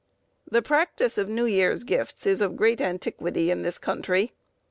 The practice of New Year's Gifts is of great antiquity in this country.